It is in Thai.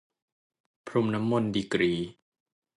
พรมน้ำมนต์ ดีกรี